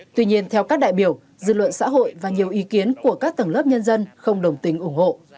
tuy nhiên theo các đại biểu dư luận xã hội và nhiều ý kiến của các tầng lớp nhân dân không đồng tình ủng hộ